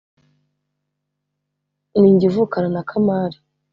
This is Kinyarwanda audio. N’injye uvukana na kamali